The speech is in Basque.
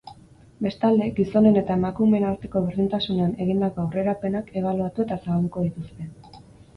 Bestalde, gizonen eta emakumeen arteko berdintasunean egindako aurrerapenak ebaluatu eta zabalduko dituzte.